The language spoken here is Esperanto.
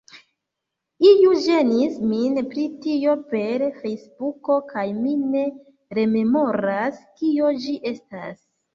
Iu ĝenis min pri tio per Fejsbuko kaj mi ne rememoras, kio ĝi estas